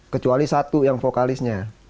kecuali satu yang vokalisnya